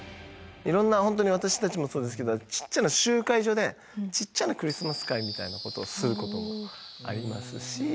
いろんな本当に私たちもそうですけどちっちゃな集会所でちっちゃなクリスマス会みたいなことをすることもありますし。